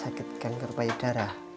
sakit kanker payudara